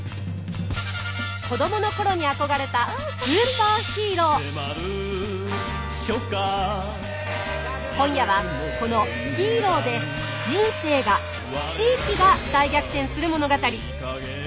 子どもの頃に憧れた今夜はこのヒーローで人生が地域が大逆転する物語。